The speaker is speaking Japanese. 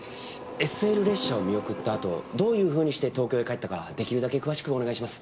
ＳＬ列車を見送ったあとどういうふうにして東京へ帰ったか出来るだけ詳しくお願いします。